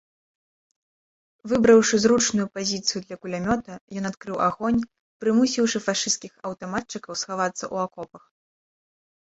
Выбраўшы зручную пазіцыю для кулямёта, ён адкрыў агонь, прымусіўшы фашысцкіх аўтаматчыкаў схавацца ў акопах.